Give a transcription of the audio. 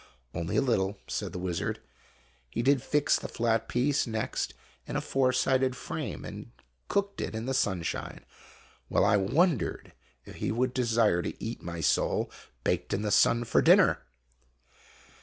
" Only a little," said the wizard. He did fix the flat piece next in a four sided frame, and cooked it in the sunshine, while I wondered if he would desire me to eat my soul, baked in the sun, for dinner